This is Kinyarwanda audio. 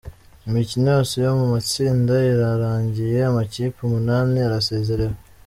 Imikino yose yo mu matsinda irarangiye, amakipe umunani arasezerewe.